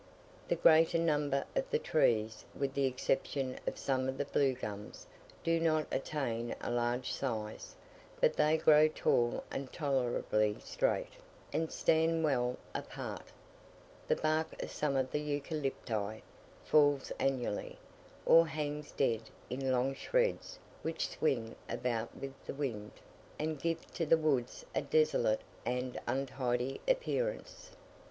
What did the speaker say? The greater number of the trees, with the exception of some of the Blue gums, do not attain a large size; but they grow tall and tolerably straight, and stand well apart. The bark of some of the Eucalypti falls annually, or hangs dead in long shreds which swing about with the wind, and give to the woods a desolate and untidy appearance.